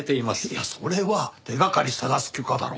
いやそれは手掛かり捜す許可だろ。